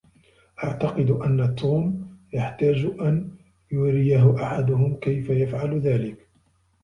اعتقد ان توم يحتاج ان يريه احدهم كيف يفعل ذلك.